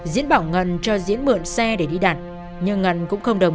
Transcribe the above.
diễn bảo ngân cho diễn mượn xe để đi đặt nhưng ngân cũng không đồng